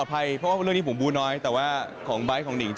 พี่เต๊อัพเดทเขาเป็นแอร์โฮสเตจ